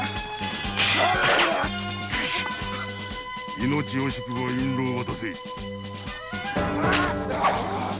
命惜しくば印籠を渡せ！